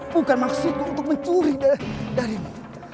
bukan maksudku untuk mencuri darimu